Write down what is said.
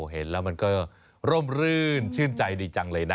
เห็นแล้วมันก็ร่มรื่นชื่นใจดีจังเลยนะ